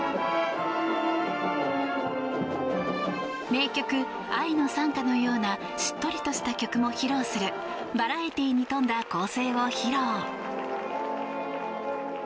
名曲「愛の讃歌」のようなしっとりとした曲も披露するバラエティーに富んだ構成。